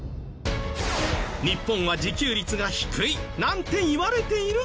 日本は自給率が低いなんて言われているけど。